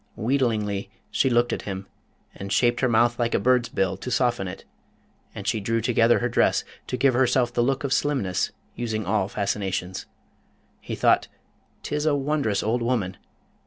Wheedlingly she looked at him, and shaped her mouth like a bird's bill to soften it; and she drew together her dress, to give herself the look of slimness, using all fascinations. He thought, ''Tis a wondrous old woman!